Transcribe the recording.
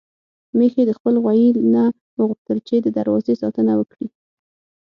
ميښې د خپل غويي نه وغوښتل چې د دروازې ساتنه وکړي.